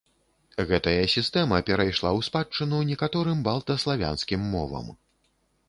Гэтая сістэма перайшла ў спадчыну некаторым балта-славянскім мовам.